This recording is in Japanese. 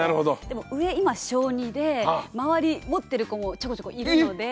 でも上今小２で周り持ってる子もちょこちょこいるので。